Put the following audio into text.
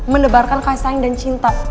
mendebarkan kasih sayang dan cinta